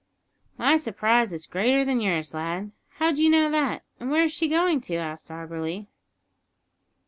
"My surprise is greater than yours, lad; how d'you know that, and where is she going to?" asked Auberly.